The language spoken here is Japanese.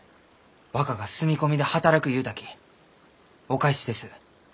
若が住み込みで働く言うたきお返しです。